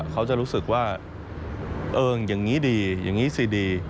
เขาจะรู้สึกว่าเอออย่างนี้ดีอย่างนี้สิดี